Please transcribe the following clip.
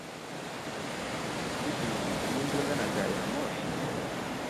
Inzitizi n'imbunda na gariyamoshi